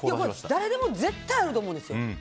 誰でも絶対あると思うんですよ。